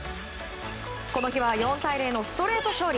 この日は４対０のストレート勝利。